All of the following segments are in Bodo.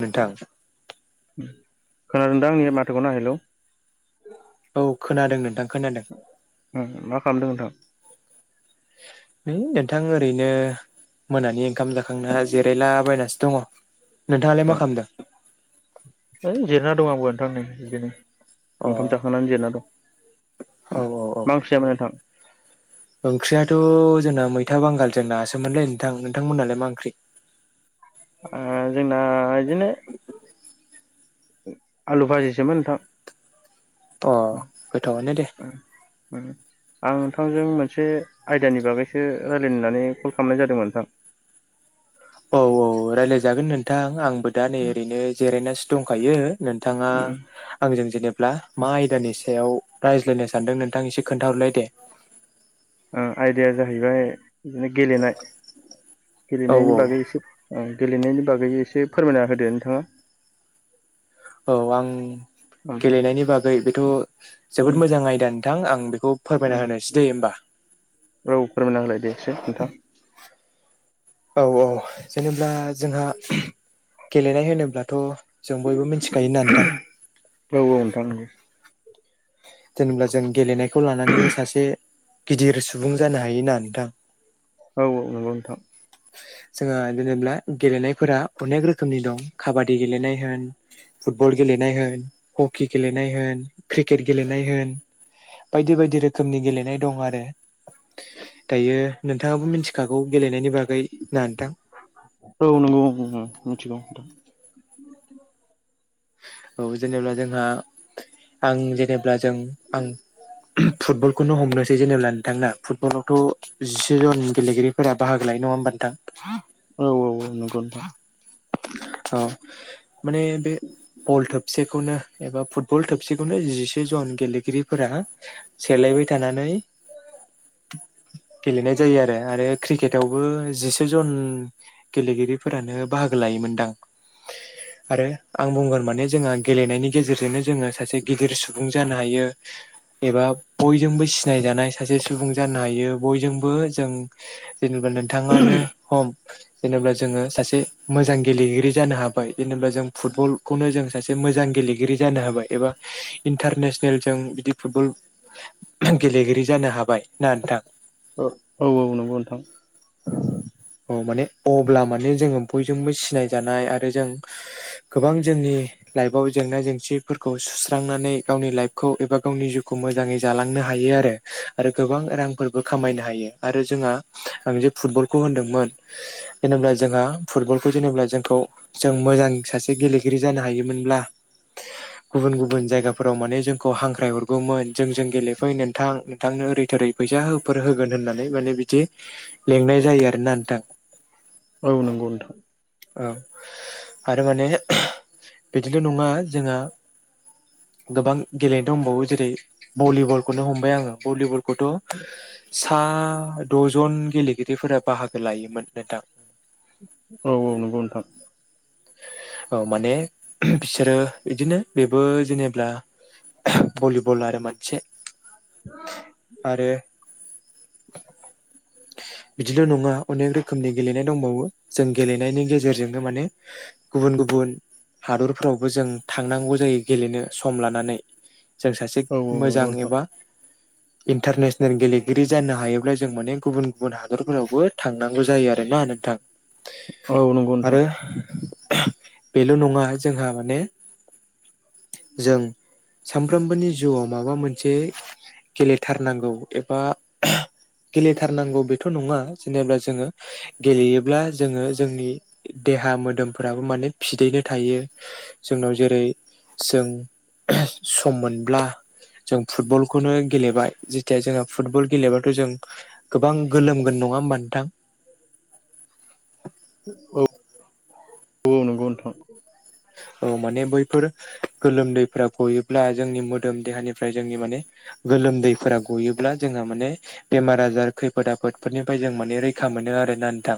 नोंथां खोनादों दां आंनि माथोखौ ना हेलै औ खोनादों नोंथां खोनादों। ओ मा खालामदों नोंथां। है नोंथां ओरैनो मोनानि ओंखाम जाखांना जिरायलाबायनासो दङ। नोंथाङालाय मा खालामदों है जिरना दं आंबो नोंथां बिदिनो। अ ओंखाम जाखांनानै जिरायना दं। औ औ औ मा ओंख्रि जायामोन नोंथां? ओंख्रियाथ' जोंना मै था बांगालजों ना सोमोनलै नोंथां नोंथांमोनहालाय मा ओंख्रि? ओ जोंना बिदिनो आलु भाजिसोमोन नोंथां। अ गोथावआनो दे आं नोंथांजों मोनसे आयदानि बागैसो रायलायनो होननानै कल खालामनाय जादोंमोन नोंथां। [unintelligible] जागोन नोंथां आं दा नै ओरैनो जिरायनासो दंखायो नोंथाङा आंजों जेनेब्ला मा आयदानि सायाव रायज्लायनो सान्दों नोंथां एसे खोन्थाहरलाय दे आयदाया जाहैबाय बिदिनो गेलेनाय औ गेलेनायनि औ बागै एसे गेलेनायनि बागै एसे फोरमायना होदो नोंथाङा। औ आं गेलेनायनि बागै बेथ' जोबोद मोजां आयदा नोंथां आं बेखौ फोरमायना होनोसै दे होमबा औ फोरमायना होलाय दे एसे नोंथां औ औ जेनेब्ला जोंहा गेलेनाय होनोब्लाथ' जों बयबो मिथिखायो ना नोंथां। औ औ नोंथां नंगौ। जेनेब्ला जों गेलेनायखौ लानानैनो सासे गिदिर सुबुं जानो हायो ना नोंथां? औ औ नंगौ नोंथां। जोङो जेनेब्ला गेलेनायफोरा अनेक रोखोमनि दं काबादि गेलेनाय होन फुटबल गेलेनाय होन, हकि गेलेनाय होन क्रिकेट गेलेनाय होन बायदि बायदि रोखोमनि गेले नाय दं आरो दायो नोंथाङाबो मिथि खाखौ गेलेनायनि बागै ना नोंथां औ नंगौ मिथिगौ नोंथां औ जेनेब्ला जोंहा आं जेनेब्ला जों आं फुटबलखौनो हमनोसै जेनेब्ला नोंथां ना फुटबलावथ जिसे जन गेलेगिरिफोरा बाहागो ला नङा होमबा नोंथां औ औ औ नोंगौ नोंथां औ माने बे बल थोबसेखौनो एबा फुटबल थोबसेखौनो जिसे जन गेलेगिरिफोरा सोलायबाय थानानै गेलेनाय जायो आरो आरो क्रिकेटावबो जिसे जन गेलेगिरिफोरानो बाहागो लायोमोनदां आरो आं बुंगोन माने जोंहा गेलेनायनि गेजेरजोंनो जोङो सासे गिदिर सुबुं जानो हायो। एबा बयजोंबो सिनायजानाय सासे सुबुं जानो हायो बयजोंबो जों जेनेबा नोंथाङानो हम जेनेबा जोङो सासे मोजां गेलेगिरि जानो हाबाय जेनेबा जों फुटबलखौनो जों सासे मोजां गेलेगिरि जानो हाबाय एबा इन्टारनेस सनेलजों बिदि फुटबल गेलेगिरि जानो हाबाय ना नोंथां औ औ नंगौ नोंथां औ माने अब्ला माने जोङो बयजोंबो सिनायजानाय आरो जों गोबां जोंनि लाइफआव जेंना जेंसिफोरखौ सुस्रांनानै गावनि लाइफखौ एबा गावनि जिउखौ मोजाङै जालांनो हायो आरो आरो गोबां रांफोरबो खामायनो हायो आरो जोंहा फुटबलखौ होन्दोंमोन जेनेबा जोंहा फुटबलखौ जेनेब्ला जों थ्र जों मोजां सासे गेलेगिरि जानो हायोमोनब्ला गुबुन गुबुन जायगाफोराव माने जोंखौ हांख्राय हर गौमोन जोंजों गेलेफै नोंथां नोंथांनो ओरै थोरै फैसा होफोर होगोन होननानै माने बिदि लेंनाय जायो आरोना नोंथां औ नंगौ नोंथां औ आरो माने बिदिल' नङा जोंहा गोबां गेलेनो दंबावो जेरै भलिबलखौनो हमबाय आङो भलिबलखौथ' सा दजन गेलेगिरिफोरा बाहागो लायोमोन नोंथां औ औ नंगौ नोंथां औ माने बिसोरो बिदिनो बेबो जेनेब्ला भलिबल आरो मोनसे आरो [inaudible] बिदिल नङा अनेख रो खोमनि गेलेनाय दंबावो जों गेलेनायनि गेजेरजोंनो माने गुबुन गुबुन हादरफ्रावबो जों थांनांगौ जायो गेलेनो सम लानानै जों सासे औ मोजां एबा इन्टारनेसनेल गेलेगिरि जानो हायोब्ला जों माने गुबुन गुबुन हादरफोरावबो थांनांगौ जायो आरोना नोंथां औ नंगौ नोंथां आरो बेल नङा जोंहा माने जों सामफ्रोमबोनि जिउआव माबा मोनसे गेलेथारनांगौ एबा गेलेथारनांगौ बेथ नङा जेनेब्ला जोङो गेलेयोब्ला जोङो जोंनि देहा मो मोदोमफोराबो माने फिदैनो थायो जोंनाव जेरै जों सम मोनब्ला जों फुटबलखौनो गेलेबाय जेथिया जोङो फुटबल गेलेबाथ' जों गोबां गोलोमगोन न नङा होबा नोंथां? औ औ नंगौ नोंथां। औ माने बैफोर गोलोमदैफ्रा गयोब्ला जोंनि मोदोम देहानिफ्राय जोंनि माने गोलोमदैफोरा गयोब्ला जोंहा माने बेमार आजार खैफोद आफोदफोरनिफ्राय जों माने रैखा मोनो आरोना नोंथां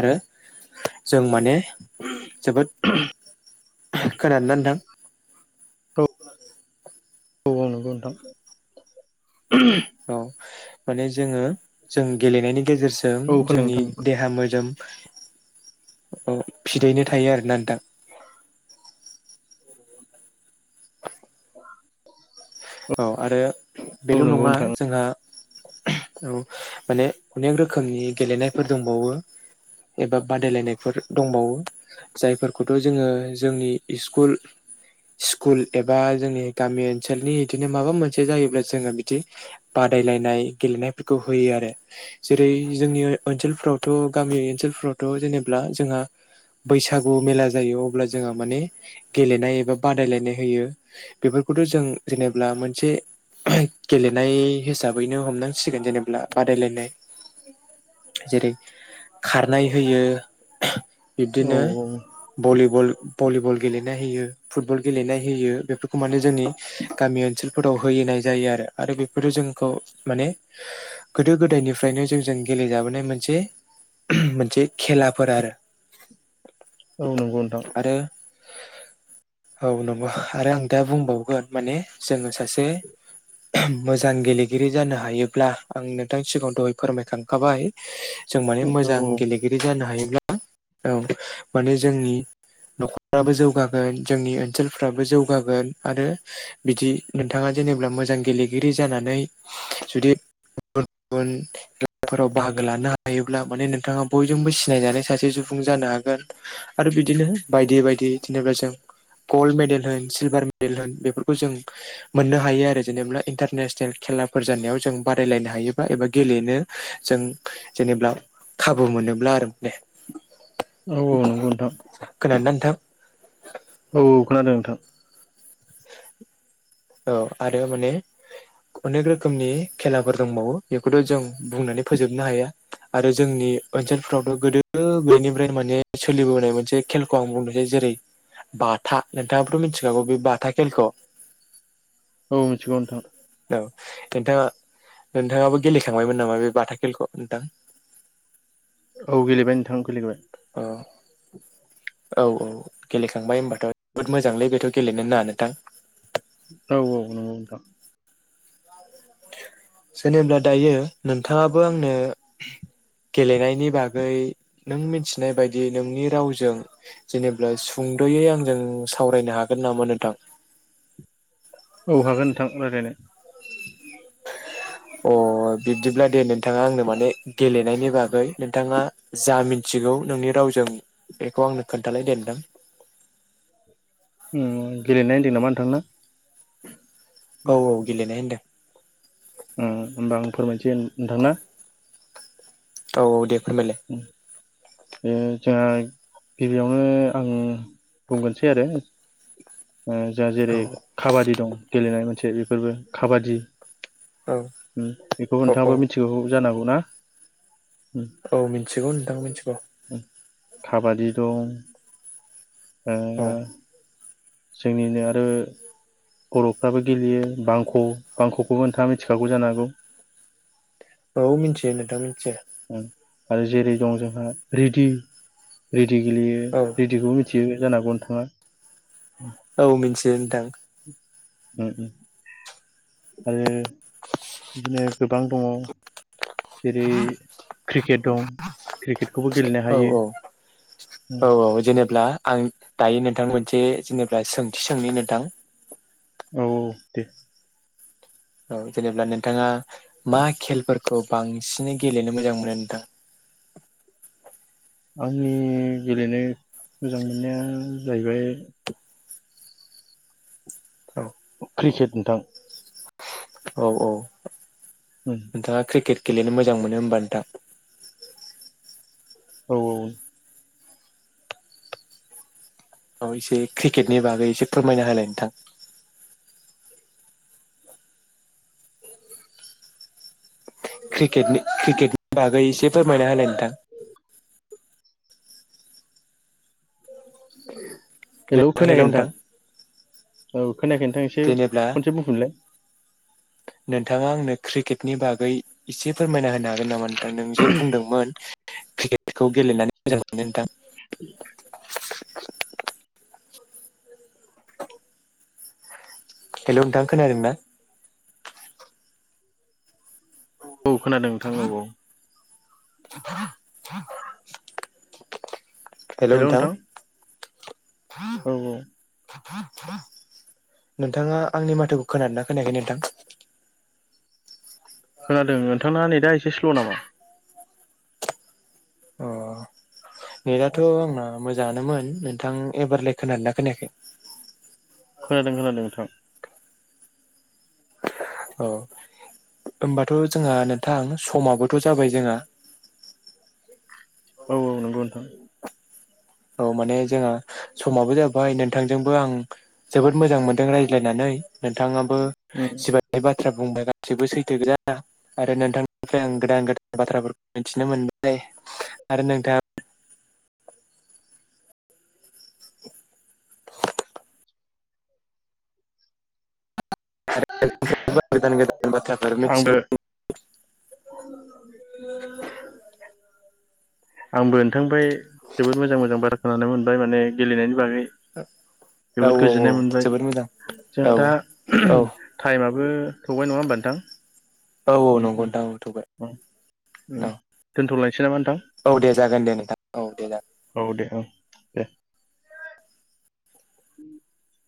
आरो जों माने जोबोद खोनादोंना नोंथां? औ औ औ नोंगौ नोंथां। औ माने जोङो जों गेलेनायनि गेजेरजों खोनादों जोंनि नोंथां देहा मोदोम औ फिदैनो थायो आरोना नोंथां। [unintelligible] [inaudible] औ आरो बेल' औ नंगौ नङा नोंथां जोंहा औ माने अनेक रोखोमनि गेलेनायफोर दंबावो एबा बादायलायनायफोर दंबावो जायफोरखौथ' जोङो जोंनि स्कुल स्कुल एबा जोंनि गामि ओनसोलनि बिदिनो माबा मोनसे जायोब्ला जोङो बिदि बादायलायनाय गेलेनायफोरखौ होयो आरो जेरै जोंनि ओनसोलफ्रावथ' गामि ओनसोलफ्रावथ' जेनब्ला जोंहा बैसागु मेला जायो अब्ला जोंहा माने गेलेनाय एबा बादायलायनाय होयो बे खौथ' जों जेनेबा मोनसे गेलेनाय हिसाबैनो हमनांसिगोन जेनेबा बादायलायनाय जेरै खारनाय होयो औ बिब्दिनो औ भलिबल भलिबल गेलेनाय होयो फुटबल गेलेनाय होयो बेफोरखौ माने जोंनि गामि ओनसोलफोराव होयैनाय जायो आरो आरो बेफोरो जोंखौ माने गोदो गोदायनिफ्राय नो जों जों गेलेजाबोनाय मोनसे मोनसे खेलाफोर आरो। औ नंगौ नोंथां। आरो औ नंगौ आरो आं दा बुंबावगोन माने जोङो सासे मोजां गेलेगिरि जानो हायोब्ला आं नोंथां सिगाङाव दहाय फोरमायखांखाबाय। जों माने औ औ मोजां गेलेगिरि जानो हायोब्ला औ माने जोंनि न'खरफ्राबो जौगागोन जोंनि ओनसोलफ्राबो जौगागोन आरो बिदि नोंथाङा जेनेबा मोजां गेलेगिरि जानानै जुदि गुबुन गुबुन खेलाफोराव बाहागो लानो हायोब्ला माने नोंथाङा बयजोंबो सिनायजानाय सासे सु सुबुं जानो हागोन आरो बिदिनो बायदि बायदि जेनेबा जों ग'ल मेडेल होन सल्भार मेडेल होन‌ बेफ फोरखौ जों मोननो हायो आरो जेनेबा इन्टारनेसनेल खेलाफोर जानायाव जों बादायलायनो हायोबा एबा गे गेलेनो जों जेनेबा खाबु मोनोब्ला आरो दे। औ औ नंगौ नोथां। थां औ औ खोनादों नोंथां। औ आरो माने अनेक रोखोमनि खेलाफोर दंबावो बेखौथ' जों बुंनानै फोजोबनो हाया आरो जोंनि ओनसोलफ्रावथ' गोदो गोदायनिफ्रायनो माने सोलिबोनाय मोनसे खेलखौ आं बुंनोसै जों जेरै बाथा नोंथाङाबथ' मिथिखागौ बे बाथा खेलखौ? औ मिथिगौ नोंथां औ नोंथाङा नोंथाङाबो गेलेखांबायमोन नामा बे बाथा खेलखौ नोंथां? औ गेलेबाय नोंथां गेलेबाय। औ औ औ गेलेखांबाय होनोमबाथ' जोबोद मोजांलै बेथ' गेलेनोना ना नोंथां? औ औ नंगौ नोंथां जेनेब्ला दायो नोंथाङाबो आंनो गेलेनायनि बागै नों मिनथिनाय बायदियै नोंनि रावजों जेनेबा सुद'यै आंजों सावरायनो हा हागोन नामा नोथां? औ हागोन नोंथां रायलायनो अ बिबदिब्ला दे नोन थाङा आंनो माने गेलेनायनि बागै नोंथाङा जा मिनथिगौ नोंनि रावजों बेखौ आंनो खोन्थालायदे नोंथां उम गेलेनाय होनदों नामा नोंथां ना औ औ गेलेनाय होनदों उम होमबा आं फोरमायनसै नोंथां ना औ औ दे फोरमायलाय ओ जोंहा गिबियावनो आं बुंगोनसै आरो ओ जोहा औ जेरै काबादि दं गेलेनाय मोनसे बेफोरबो खाबादि औ उम बेखौ बो औ औ नोंथाङाबो मिथिगौ जानांगौ ना उम औ मिनथिगौ नोंथां मिनथिगौ खाबादि दं औ ओ जोंनिनो आरो बर'फ्राबो गेलेयो बांख' बांख'खौबो नोंथाङा मिथिखागौ जानो हागौ औ मिनथियो नोंथां मिनथियो उम आरो जेरै दं जोंहा रेदि दि गेलेयो औ रेदिखौबो मिथियो जानो हागौनो नोंथाङा औ मिनथि नोंथां उम उम आरो बिदिनो गोबां दङ जेरै क्रिकेट दं क्रिकेटखौबो गेलेनो औ हायो औ औ औ जेने आं दायो नोंनथां मोनसे जेनेब्ला सोंथि सोंनि नोंनथां औ औ दे औ जेनेब्ला नोंनथाङा मा खेलफोरखौ बांसिनै गेलेनो मोजां मोनो नोंथां [inaudible] आंनि गेलेनो मोजां मोननाया जाहैबाय क्रिकेट नोंथां औ औ नोनथाङा क्रिकेट गेलेनो मोजां मोनो होमबा नोंथां औ औ औ एसे क्रिकेटनि बागै एसे फोरमायना होलाय नोंथां क्रिकेटनि क्रिकेटनि बागै एसे फोरमायना होलाय नोंथां हेलौ खोनाखै नोंथां औ खोनायाखै नोंथां एसे जेनेब्ला खनसे बुंफिनलाय नोंथाङा आंनो क्रिकेटनि बागै एसे फोरमायना होनो हागोन नामा नोंथां नों जे बुंदोंमोन क्रिकेटखौ गेलेनानै मोजां मोनो नोंथां [inaudible] [inaudible] हेल नोंथां खोनादों ना औ खोनादों नोंथां औ औ हेल' नोंथां औ औ नोंथाङा आंनि माथोखौ खोनादोंना खोनायाखै नोंथां खोनादों नोंथांना नेदा एसे स्ल नामा अह नेदाथ‌ आंना मोजाङानोमोन नोंथां एबारलाय खोनादों ना खोनायाखै खोनादों खोनादों नोंथां औ होमबाथ' जोंहा नोंथां समाबोथ' जाबाय जोंहा [inaudible] औ - औ नंगौ नोंथां औ माने जोंहा समाबो जाबाय नोंथांजोंबो आं जोबोद मोजां मोन्दों रायज्लायनानै नोंथाङाबो उम जिबादि बाथ्रा बुंबाय सैबो सैथो गोजा आरो नोंथांनिफ्राय आं गोदान - गोदान बाथ्राफोरखौ मिथिनो मोनबाय आरो नोंथाङा [unintelligible] गोदान - गोदान बाथ्राफोर मिथिनो आंबो [unintelligible] [unintelligible] आंबो नोंथांनिफाय जोबोद मोजां - मोजां बार खोनानो मोनबाय माने गेलेनायनि बागै औ जोबोद औ औ गोजोननाय मोनबाय जोबोद मोजां औ जोंहा दा औ टाइमाबबो थौबाय नङा होमबा नोंथां औ उम नंगौ उम नोंथां हर उम उम थौबाय औ दोनथ'लायनोसै नामा नोंथां - औ दे जागोन दे नोंथां औ दे जागोन औ दे ओं दे [inaudible]